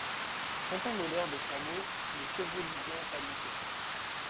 Sentant l'odeur des chameaux, les chevaux lydiens paniquèrent.